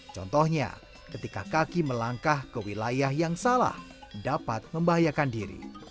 contohnya ketika kaki melangkah ke wilayah yang salah dapat membahayakan diri